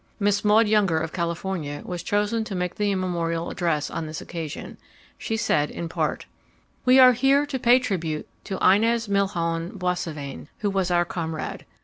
Miss Maud Younger of California was chosen to make the memorial address on this occasion. She said in part: "We are here to pay tribute to Inez Milholland Boissevain, who was our comrade.